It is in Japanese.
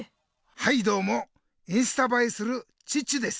はいどうもインスタばえするチッチです。